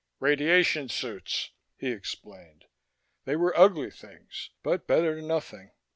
"Radiation suits," he explained. They were ugly things, but better than nothing.